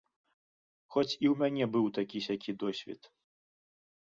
Хоць і ў мяне быў такі-сякі досвед.